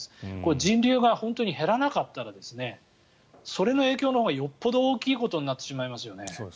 人流が本当に減らなかったらそれの影響のほうがよっぽど大きいことになってしまいますよね。